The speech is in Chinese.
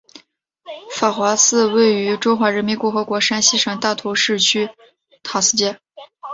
法华寺位于中华人民共和国山西省大同市城区塔寺街。